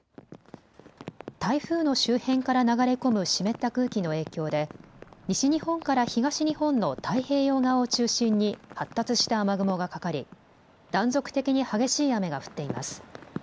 台風の周辺から流れ込む湿った空気の影響で西日本から東日本の太平洋側を中心に発達した雨雲がかかり断続的に激しい雨が降っています。